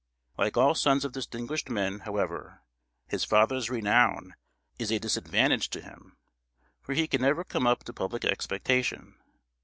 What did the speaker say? Like all sons of distinguished men, however, his father's renown is a disadvantage to him, for he can never come up to public expectation.